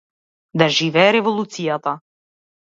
Да живее Револуцијата.